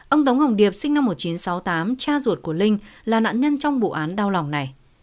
ông tống hồng điệp sinh năm một nghìn chín trăm sáu mươi tám cha ruột của linh là nạn nhân trong vụ án đau lòng này